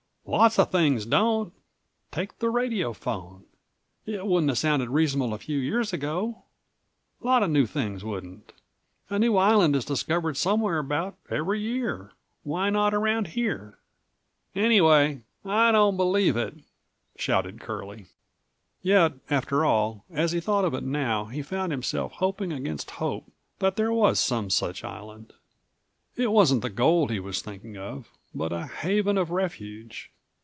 "Lots of things don't. Take the radiophone; it wouldn't have sounded reasonable a few years172 ago. Lot of new things wouldn't. A new island is discovered somewhere about every year. Why not around here?" "Anyway, I don't believe it," shouted Curlie. Yet, after all, as he thought of it now he found himself hoping against hope that there was some such island. It wasn't the gold he was thinking of, but a haven of refuge.